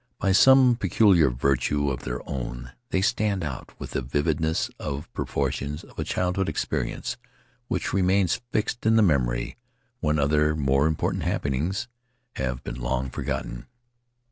By some peculiar virtue of their own they stand out with the vividness of portions of child hood experience which remains fixed in the memory when other more important happenings have been long forgotten.